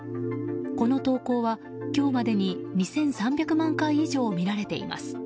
この投稿は今日までに２３００万回以上見られています。